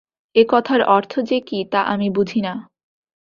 এ-কথার অর্থ যে কী, তা আমি বুঝি না।